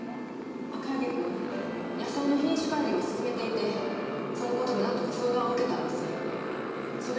赤池くん野菜の品種改良を進めていてその事で何度か相談を受けたんです。